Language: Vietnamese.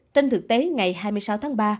trên thực tế ngày hai mươi sáu tháng ba